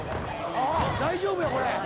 大丈夫やこれ。